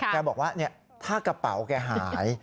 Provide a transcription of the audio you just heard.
แกบอกว่าถ้ากระเป๋าแกหาย